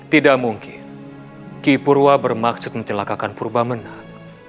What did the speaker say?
tidak mungkin ki purwa bermaksud mencelakakan purba menang